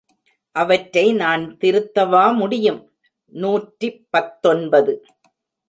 அவற்றை நான் திருத்தவா முடியும்? நூற்றி பத்தொன்பது.